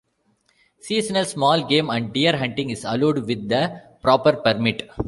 Seasonal small game and deer hunting is allowed with the proper permit.